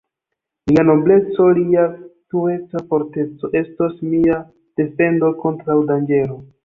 Lia nobleco, lia tureca forteco estos mia defendo kontraŭ danĝero.